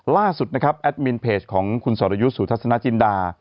ล่าสุดนะครับแอดมินเพจของคุณสรยุติธศจีนดา